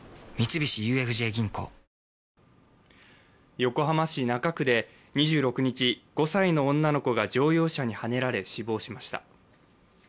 横浜市中区で２６日、５歳の女の子が乗用車にはねられ死亡しました。